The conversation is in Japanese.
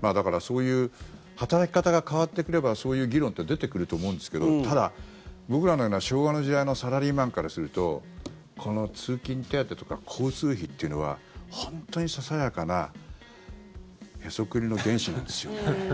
だからそういう働き方が変わってくればそういう議論って出てくると思うんですけどただ、僕らのような昭和の時代のサラリーマンからするとこの通勤手当とか交通費というのは本当にささやかなへそくりの原資なんですよ。